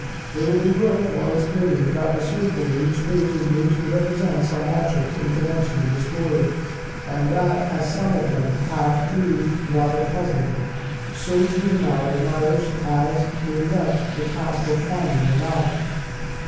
It will be worth while explaining, that the circle in each page is made to represent some object in connection with the story; and, that as some of them have proved rather puzzling, to Juvenile admirers has been left the task of "finding them out."